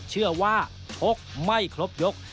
เชื่อว่าชกไม่ครบยก